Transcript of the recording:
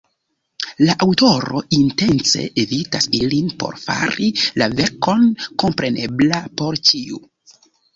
La aŭtoro intence evitas ilin por fari la verkon komprenebla por ĉiu.